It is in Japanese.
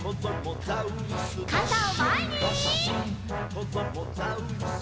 「こどもザウルス